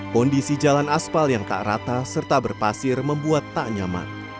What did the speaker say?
kondisi jalan aspal yang tak rata serta berpasir membuat tak nyaman